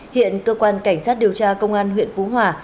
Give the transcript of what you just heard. hiện cơ quan cảnh sát điều tra công an huyện phú hòa